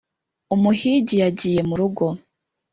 umuhigi yagiye mu rugo,